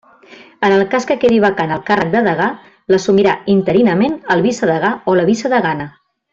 En el cas que quedi vacant el càrrec de degà, l'assumirà interinament el vicedegà o la vicedegana.